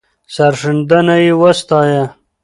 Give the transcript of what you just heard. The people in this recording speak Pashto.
سرښندنه یې وستایه.